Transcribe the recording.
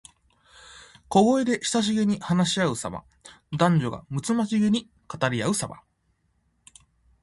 小声で親しげに話しあうさま。男女がむつまじげに語りあうさま。